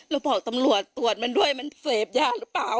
แล้วบอกตำรวจตรวจมันด้วยมันเสพยาหรือเปล่า